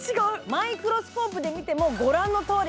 マイクロスコープで見てもご覧のとおり。